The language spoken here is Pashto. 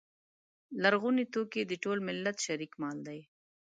لرغوني توکي د ټول ملت شریک مال دی.